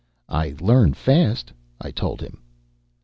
"I learn fast," I told him.